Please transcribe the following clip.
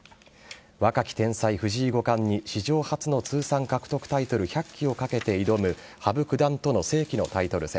若き天才、藤井五冠に、史上初の通算獲得タイトル１００期をかけて挑む羽生九段との世紀のタイトル戦。